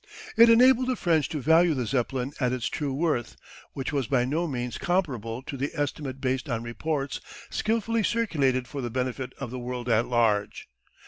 It enabled the French to value the Zeppelin at its true worth, which was by no means comparable to the estimate based on reports skilfully circulated for the benefit of the world at large.